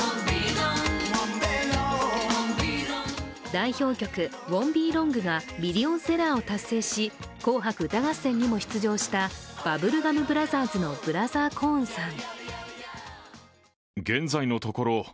代表曲、「ＷＯＮ’ＴＢＥＬＯＮＧ」がミリオンセラーを達成し「紅白歌合戦」にも出場したバブルガム・ブラザーズのブラザー・コーンさん。